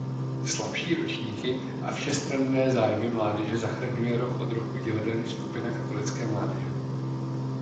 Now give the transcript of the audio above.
Slabší ročníky a všestranné zájmy mládeže zachraňuje rok od roku "Divadelní skupina katolické mládeže".